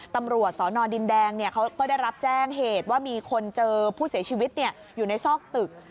ตำรวจสนดินแดงเขาก็ได้รับแจ้งเหตุว่ามีคนเจอผู้เสียชีวิตอยู่ในซอกตึก